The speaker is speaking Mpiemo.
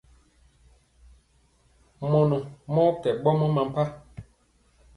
Mɔnɔ mɔɔ kɛ ɓɔmɔ mampa.